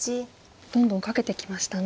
どんどんカケてきましたね。